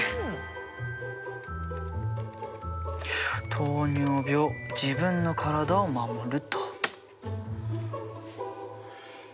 「糖尿病自分の体を守る」と。